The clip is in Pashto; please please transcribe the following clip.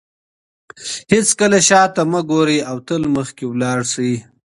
هیڅکله شاته مه ګورئ او تل مخکې لاړ شئ.